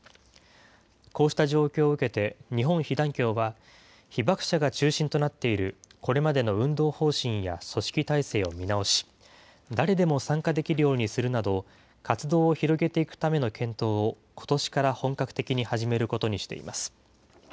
こうした状況を受けて、日本被団協は、被爆者が中心となっているこれまでの運動方針や組織体制を見直し、誰でも参加できるようにするなど、活動を広げていくための検討を、ことしから本格的に始めることにしています。